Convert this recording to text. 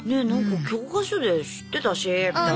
「教科書で知ってたし」みたいな。